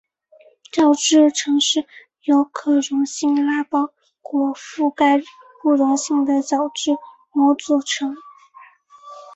角质层是由可溶性蜡包裹覆盖不溶性的角质膜组成。